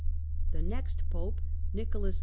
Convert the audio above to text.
The next Pope, Nicholas IV.